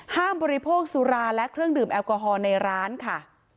บริโภคสุราและเครื่องดื่มแอลกอฮอล์ในร้านค่ะ